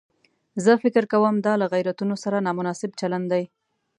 زه فکر کوم دا له غیرتونو سره نامناسب چلن دی.